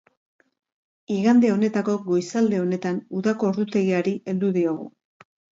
Igande honetako goizalde honetan udako ordutegiari heldu diogu.